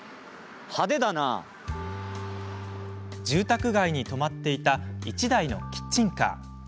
住宅街に止まっていた１台のキッチンカー。